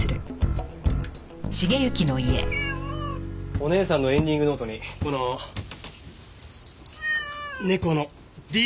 お姉さんのエンディングノートにこの猫のＤＮＡが付着していました。